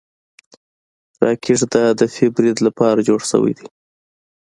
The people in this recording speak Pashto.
راکټ د هدفي برید لپاره جوړ شوی دی